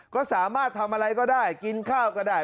ก็สามารถทำอะไรก็ได้กินข้าวก็ได้